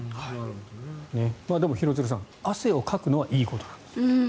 でも、廣津留さん汗をかくのはいいことなんです。